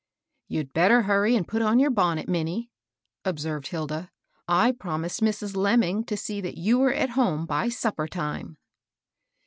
" You'd better hurrjj^ and put on your bonnet, Minnie," observed Hilda. " I promised Mrs. Lemming to see that you were at home by supper time."